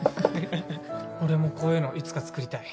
俺もこういうのいつか造りたい